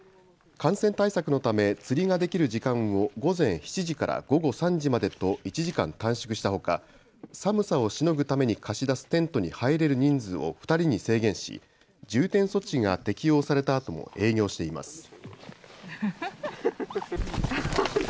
感染対策のため、釣りができる時間を午前７時から午後３時までと１時間短縮したほか寒さをしのぐために貸し出すテントに入れる人数を２人に制限し重点措置が適用されたあとも営業しています。